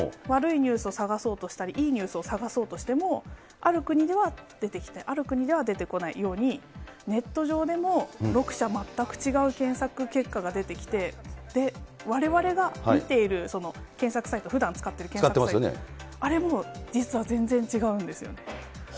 悪いニュースを探そうとしたり、いいニュースを探そうとしても、出てきて、ある国では出てこないように、ネット上でも、６社全く違う検索結果が出てきて、で、われわれが見ている検索サイト、ふだん使ってる検索サイト、あれも実は全然違うんですよね。